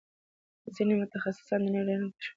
ځینې متخصصان د نوي رنګ کشف د منلو وړ نه ګڼي.